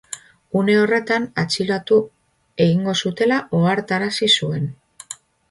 Une horretan, atxilotu egingo zutela ohartarazi zuen.